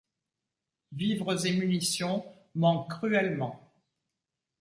Vivres et munitions manquent cruellement.